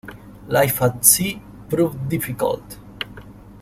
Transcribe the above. Life at sea proved difficult.